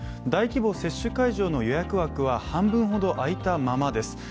大規模接種会場の予約枠は半分ほど空いたままです。